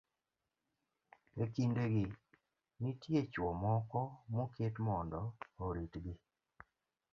E kindegi, nitie chwo moko moket mondo oritgi.